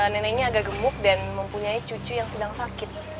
neneknya agak gemuk dan mempunyai cucu yang sedang sakit